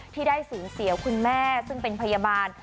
ที่ได้สูญเสียคุณแม่ซึ่งเป็นพยาบาล